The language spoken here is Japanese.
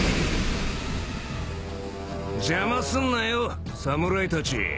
邪魔すんなよ侍たち。